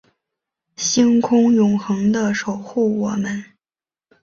星空永恒的守护我们